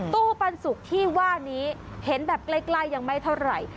ตู้ปันสุกที่ว่านี้เห็นแบบใกล้ยังไม่เท่าไหร่